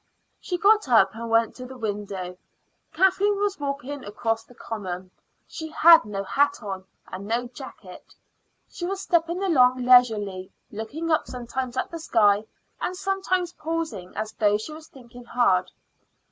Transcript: She got up and went to the window. Kathleen was walking across the common. She had no hat on, and no jacket. She was stepping along leisurely, looking up sometimes at the sky, and sometimes pausing as though she was thinking hard.